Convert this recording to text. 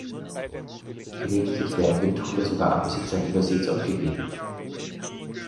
Gelegentlich werden Windhunde sogar an Besitzer in Übersee zurückgegeben.